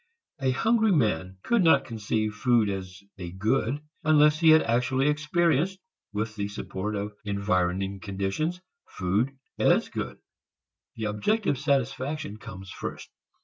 A hungry man could not conceive food as a good unless he had actually experienced, with the support of environing conditions, food as good. The objective satisfaction comes first.